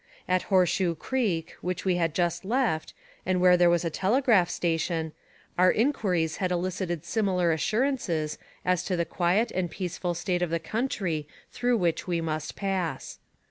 At Horseshoe Creek, which we had just left, and where there was a telegraph station, our inquiries had elicited similar assurances as to the quiet and peaceful state of the country through which we must pass.